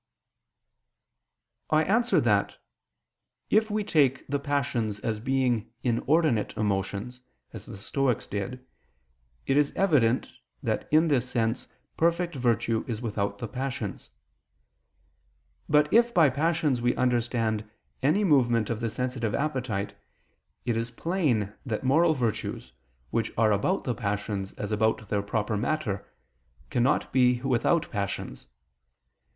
I answer that, If we take the passions as being inordinate emotions, as the Stoics did, it is evident that in this sense perfect virtue is without the passions. But if by passions we understand any movement of the sensitive appetite, it is plain that moral virtues, which are about the passions as about their proper matter, cannot be without passions.